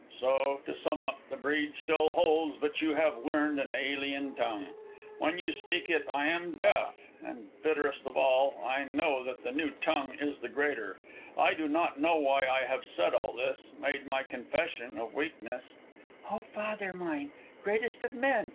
So, to sum up, the breed still holds, but you have learned an alien tongue. When you speak it I am deaf. And bitterest of all, I know that the new tongue is the greater. I do not know why I have said all this, made my confession of weakness " "Oh, father mine, greatest of men!"